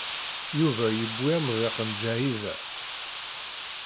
Yuba yewwi amḍiq n Ǧahida.